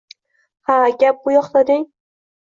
Ha, gap bu yoqda deng